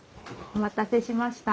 お待たせしました。